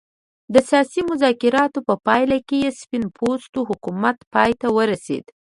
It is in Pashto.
د سیاسي مذاکراتو په پایله کې سپین پوستو حکومت پای ته ورسېد.